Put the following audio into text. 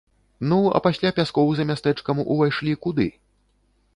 Ну, а пасля пяскоў за мястэчкам увайшлі куды?